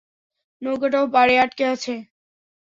নৌকাটাও পাড়ে আটকে আছে।